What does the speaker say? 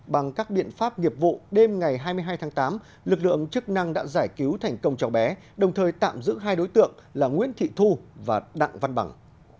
bằng các biện pháp nghiệp vụ đêm ngày hai mươi hai tháng tám lực lượng chức năng đã giải cứu thành công cháu bé đồng thời tạm giữ hai đối tượng là nguyễn thị thu và đặng văn bằng